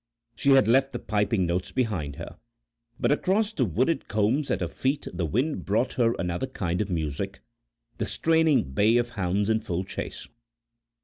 She had left the piping notes behind her, but across the wooded combes at her feet the wind brought her another kind of music, the straining bay of hounds in full chase.